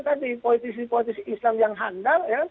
tadi politisi politisi islam yang handal ya